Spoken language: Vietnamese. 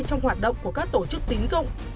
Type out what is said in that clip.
trong hoạt động của các tổ chức tín dụng